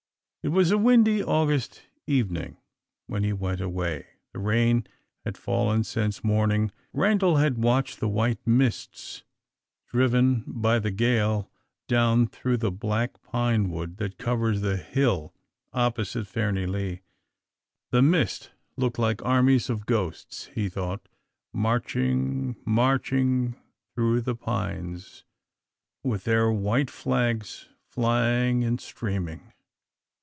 It was a windy August evening when he went away: the rain had fallen since morning. Randal had watched the white mists driven by the gale down through the black pine wood that covers the hill opposite Fairnilee. The mist looked like armies of ghosts, he thought, marching, marching through the pines, with their white flags flying and streaming.